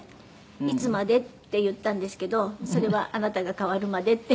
「“いつまで？”って言ったんですけどそれはあなたが変わるまでって」